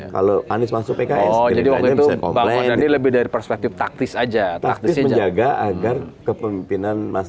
kalau anies masuk pks jadi lebih dari perspektif taktis aja taktis menjaga agar kepemimpinan mas